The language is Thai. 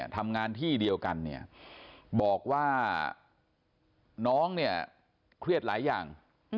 ทำงานที่เดียวกันบอกว่าน้องเครียดหลายอย่าง